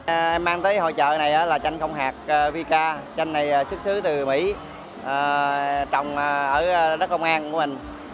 em mang tới hội trợ này là chanh không hạt vika chanh này xuất xứ từ mỹ trồng ở đất công an của mình